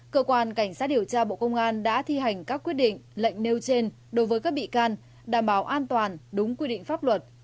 cơ quan cảnh sát điều tra bộ công an đã thi hành các quyết định lệnh nêu trên đối với các bị can đảm bảo an toàn đúng quy định pháp luật